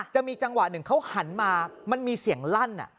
จะมีจังหวะหนึ่งเขาหันมามันมีเสียงลั่น